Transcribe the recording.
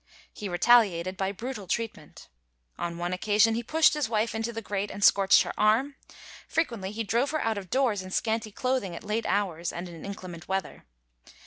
He retaliated by brutal treatment. On one occasion he pushed his wife into the grate and scorched her arm; frequently he drove her out of doors in scanty clothing at late hours and in inclement weather.